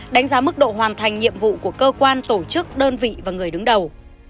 đánh giá mức độ hoàn thành nhiệm vụ của cơ quan tổ chức đơn vị và người đứng đầu